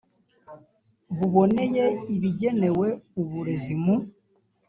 buboneye ibigenewe uburezi mu